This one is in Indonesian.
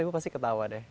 ibu pasti ketawa deh